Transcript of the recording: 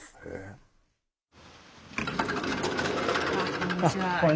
こんにちは。